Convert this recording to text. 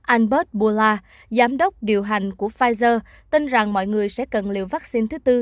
albert bullard giám đốc điều hành của pfizer tin rằng mọi người sẽ cần liều vắc xin thứ bốn